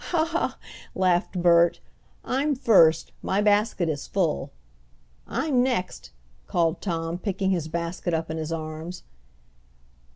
"Ha! ha!" laughed Bert. "I'm first. My basket is full." "I'm next!" called Tom, picking his basket up in his arms.